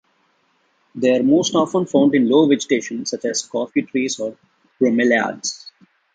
They are most often found in low vegetation such as coffee trees or bromeliads.